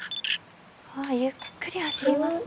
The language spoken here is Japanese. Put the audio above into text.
わあゆっくり走りますね。